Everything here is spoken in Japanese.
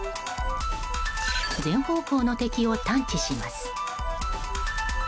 全方向の敵を探知します。